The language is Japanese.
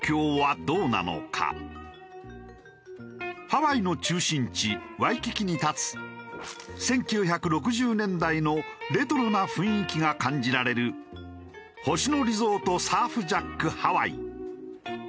ハワイの中心地ワイキキに立つ１９６０年代のレトロな雰囲気が感じられる星野リゾートサーフジャックハワイ。